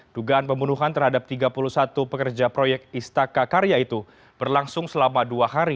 dugaan pembunuhan terhadap tiga puluh satu pekerja proyek istaka karya itu berlangsung selama dua hari